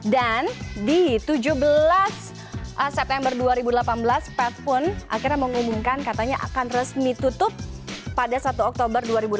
dan di tujuh belas september dua ribu delapan belas path pun akhirnya mengumumkan katanya akan resmi tutup pada satu oktober dua ribu delapan belas